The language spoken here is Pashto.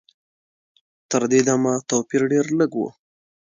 تر دې دمه توپیر ډېر لږ و.